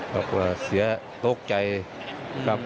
เราก็เสียตรกใจครับ